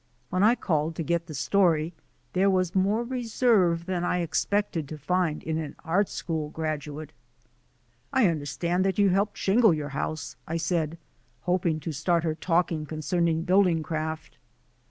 When I called to get the story there was more reserve than I expected to find in an art school graduate. "I understand that you helped shingle your house/' I said, hoping to start her talking con cerning building craft.